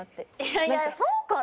いやいやそうかな？